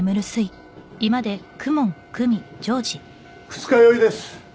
二日酔いです